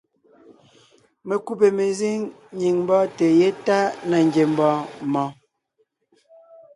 Mekúbè mezíŋ nyìŋ mbɔ́ɔnte yétana ngiembɔɔn mɔɔn.